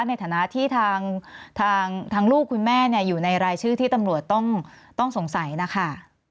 ในฐานะที่ทางลูกคุณแม่อยู่ในรายชื่อที่ตำรวจต้องสงสัยนะคะ